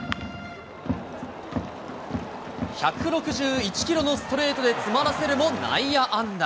１６１キロのストレートで詰まらせるも、内野安打。